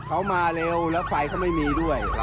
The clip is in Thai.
เขามาเร็วแล้วไฟก็ไม่มีด้วย